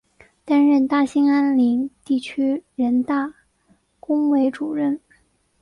担任大兴安岭地区人大工委主任。